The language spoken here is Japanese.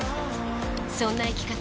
そんな生き方